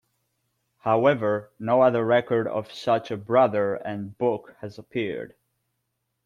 However, no other record of such a brother and book has appeared.